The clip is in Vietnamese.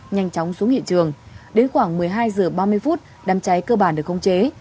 nhanh chóng xuống hiện trường đến khoảng một mươi hai h ba mươi đám cháy cơ bản được khống chế